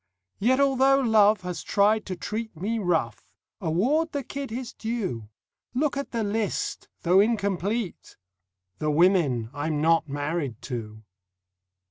Yet although Love has tried to treat Me rough, award the kid his due. Look at the list, though incomplete: The women I'm not married to.